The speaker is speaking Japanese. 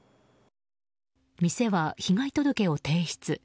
店は被害届を提出。